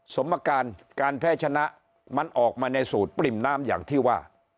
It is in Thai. สมการการแพ้ชนะมันออกมาในสูตรปริ่มน้ำอย่างที่ว่า